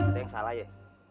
itu yang salah ya